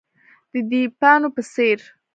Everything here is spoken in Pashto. د دیبانو په څیر،